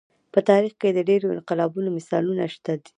په تاریخ کې د ډېرو انقلابونو مثالونه شته.